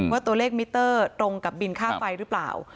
ว่าตัวเลขมิเตอร์ตรงกับบินค่าไฟหรือเปล่า